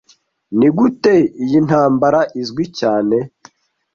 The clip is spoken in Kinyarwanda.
Nigute iyi ntambara izwi cyane